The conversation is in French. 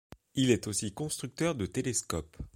Il est aussi un constructeur de télescopes.